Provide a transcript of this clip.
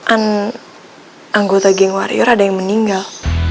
an anggota geng warior ada yang meninggal